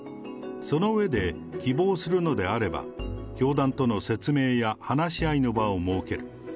その上で、希望するのであれば、教団との説明や話し合いの場を設ける。